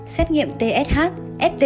xét nghiệm tsh st ba st bốn